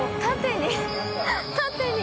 縦に？